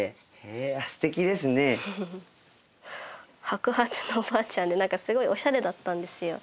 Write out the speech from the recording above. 白髪のおばあちゃんで何かすごいオシャレだったんですよ。